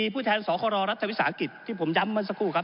๔ผู้แทนศรรัฐวิศาสตร์อังกฤษที่ผมย้ำมันสักครู่ครับ